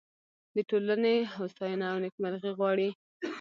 د ټولنې هوساینه او نیکمرغي غواړي.